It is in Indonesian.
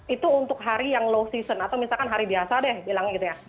itu untuk hari yang low season atau misalkan hari biasa deh bilangnya gitu ya